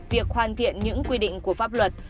việc hoàn thiện những quy định của pháp luật